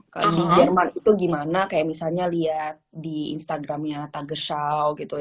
kalau di jerman itu gimana kayak misalnya lihat di instagramnya tage shawu gitu